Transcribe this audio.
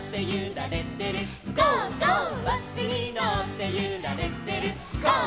「バスにのってゆられてるゴー！